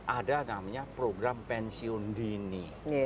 ada namanya program pensiun dini